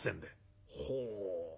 「ほう。